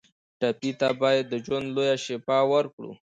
ټپي ته باید د ژوند لویه شفا ورکړو.